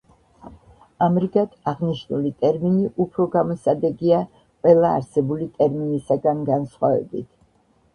ამრიგად აღნიშნული ტერმინი უფრო გამოსადეგია ყველა არსებული ტერმინისაგან განსხვავებით.